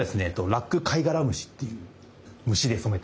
ラックカイガラムシっていう虫で染めてます。